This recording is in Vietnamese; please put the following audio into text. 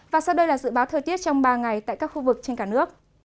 và sau đây là dự báo thời tiết trong ba ngày tại các khu vực trên cả nước